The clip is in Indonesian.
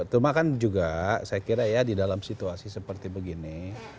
cuma kan juga saya kira ya di dalam situasi seperti begini